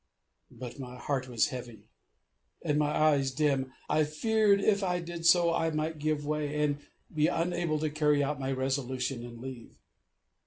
But my heart was heavy, and my eyes dim; I feared if I did so I might give way, and be unable to carry out my resolution, and leave.